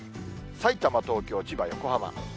さいたま、東京、千葉、横浜。